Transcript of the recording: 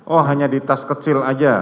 oh hanya di tas kecil aja